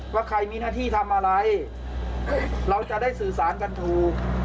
ว่าใครมีหน้าที่ทำอะไรเราจะได้สื่อสารกันถูก